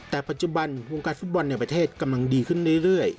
แต่ปัจจุบันวงการฟุตบอลในประเทศกำลังดีขึ้นเรื่อย